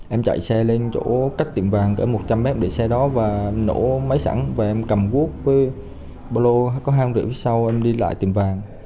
em chạy xe lên chỗ cách tiệm vàng kể một trăm linh mét để xe đó và nổ máy sẵn và em cầm cuốc với bô lô có hàng rượu sau em đi lại tiệm vàng